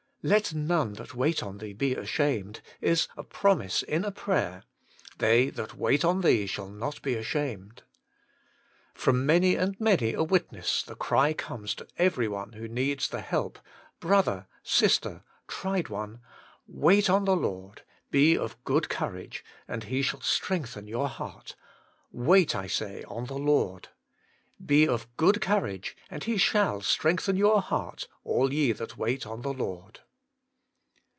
* Let none that wait on Thee be ashamed ' is a promise in a prayer, 'They that wait on Thee shall not be ashamed '! From many and many 40 WAITING ON GOBI a witness the cry comes to every one who needs the help, brother, sister, tried one, *Wait on the Lord; be of good courage, and He shall strengthen your heart; wait, I say, on the Lord. Be of good courage, and He shall strengthen your heart, all ye that wait on the Lord.'